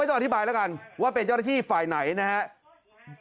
ต้องอธิบายแล้วกันว่าเป็นเจ้าหน้าที่ฝ่ายไหนนะครับ